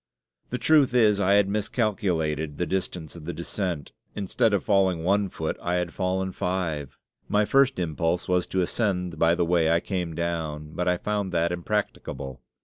The truth is, I had miscalculated the distance of the descent instead of falling one foot, I had fallen five. My first impulse was to ascend by the way I came down, but I found that impracticable.